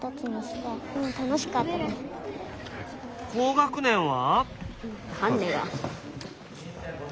高学年は？